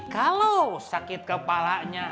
kalo sakit kepalanya